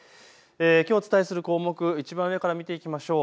きょうお伝えする項目、いちばん上から見ていきましょう。